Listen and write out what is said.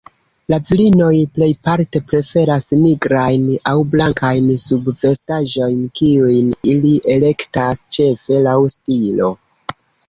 La virinoj plejparte preferas nigrajn aŭ blankajn subvestaĵojn, kiujn ili elektas ĉefe laŭ stilo.